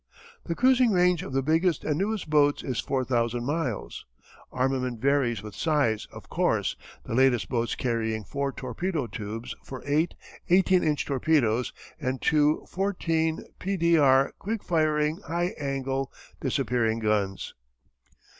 The cruising range of the biggest and newest boats is 4000 miles. Armament varies with size, of course, the latest boats carrying 4 torpedo tubes for eight 18 inch torpedoes and two 14 pdr. quick firing, high angle, disappearing guns.